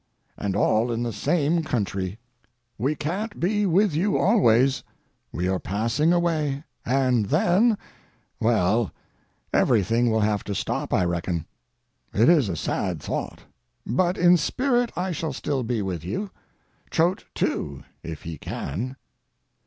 And all in the same country. We can't be with you always; we are passing away, and then—well, everything will have to stop, I reckon. It is a sad thought. But in spirit I shall still be with you. Choate, too—if he can.